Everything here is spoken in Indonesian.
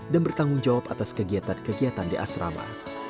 dan bertanggung jawab atas kegiatan kegiatan di asrama